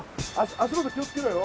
足元気を付けろよ。